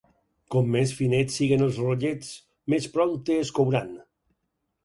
Com més finets siguen els rotllets, més prompte es couran.